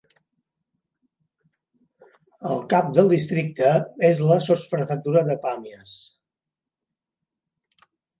El cap del districte és la sotsprefectura de Pàmies.